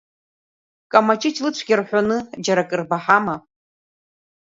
Камаҷыҷ лыцәгьа рҳәоны џьара акыр баҳама?